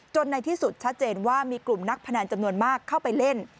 ในที่สุดชัดเจนว่ามีกลุ่มนักพนันจำนวนมากเข้าไปเล่น